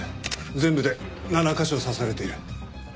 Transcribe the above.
全部で７カ所刺されている。